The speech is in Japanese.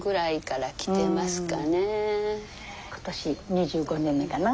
今年２５年目かな。